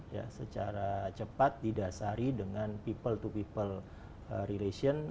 ya secara cepat didasari dengan people to people relation